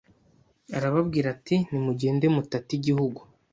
arababwira ati nimugende mutate igihugu